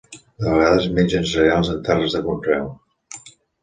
De vegades, mengen cereals en terres de conreu.